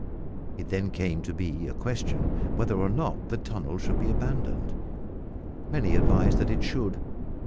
It then came to be a question whether or not the tunnel should be abandoned. Many advised that it should.